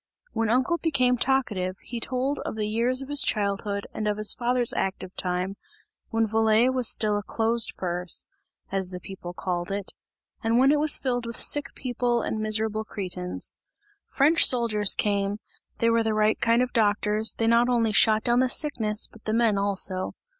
When uncle became talkative, he told of the years of his childhood and of his father's active time, when Valais was still a closed purse, as the people called it, and when it was filled with sick people and miserable cretins. French soldiers came, they were the right kind of doctors, they not only shot down the sickness but the men also.